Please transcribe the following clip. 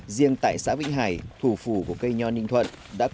riêng tại xã vĩnh hải thủ phủ của cây nho ninh thuận